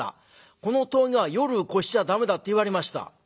『この峠は夜越しちゃ駄目だ』って言われました」。